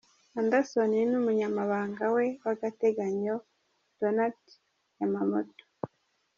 Anderson n’umunyamabanga we w’agateganyo Donald Yamamoto.